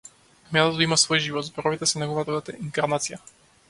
Минатото има свој живот, зборовите се негова инкарнација.